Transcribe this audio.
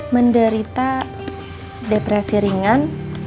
menderita depresi ringan